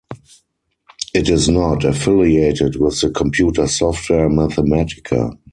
It is not affiliated with the computer software Mathematica.